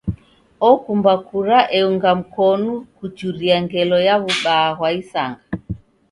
Okumba kura eunga mkonu kuchuria ngelo ya w'ubaa ghwa isanga.